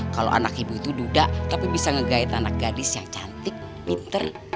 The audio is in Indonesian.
kalau anak ibu itu duda tapi bisa nge guide anak gadis yang cantik pinter